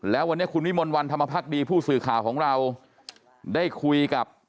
แล้ววันนี้คุณวิมลวันธรรมพักดีผู้สื่อข่าวของเราได้คุยกับ